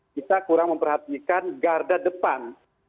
kita kurang memperhatikan garda depan